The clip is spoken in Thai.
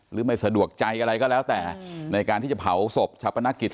หรือไม่สะดวกใจอะไรก็แล้วแต่ในการที่จะเผาศพชาปนกิจ